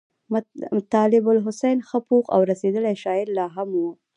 طالب حسین ښه پوخ او رسېدلی شاعر لا هم وو.